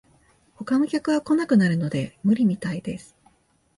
他の客が来なくなるので無理みたいです